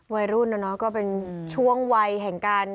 วัยรุ่นนะเนาะก็เป็นช่วงวัยแห่งการ